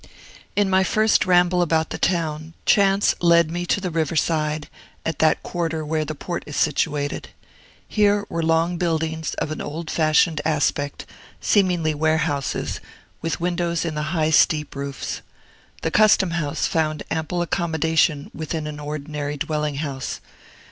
In my first ramble about the town, chance led me to the river side, at that quarter where the port is situated. Here were long buildings of an old fashioned aspect, seemingly warehouses, with windows in the high, steep roofs. The Custom House found ample accommodation within an ordinary dwelling house.